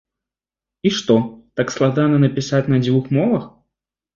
І што, так складана напісаць на дзвюх мовах?